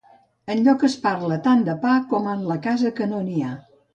Enlloc es parla tant de pa com en la casa que no n'hi ha.